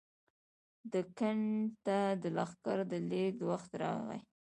دکن ته د لښکر د لېږد وخت راغی.